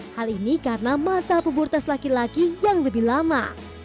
hal ini karena masa pubur tes laki laki yang lebih lama